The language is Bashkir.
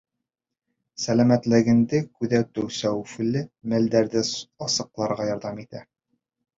Сәләмәтлегеңде күҙәтеү хәүефле мәлдәрҙе асыҡларға ярҙам итә.